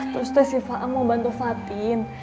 terus teh si fa'am mau bantu fatin